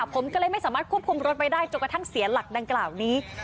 ผมก็เลยไม่สามารถควบคุมรถไว้ได้จนกระทั่งเสียหลักดังกล่าวนี้